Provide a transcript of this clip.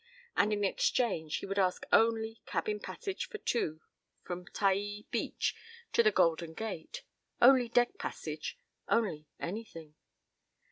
And in exchange he would ask only cabin passage for two from Taai beach to the Golden Gate. Only deck passage! Only anything!